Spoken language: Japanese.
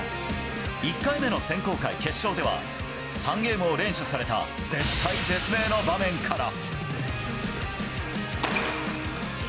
１回目の選考会決勝では、３ゲームを連取された絶体絶命の場面から。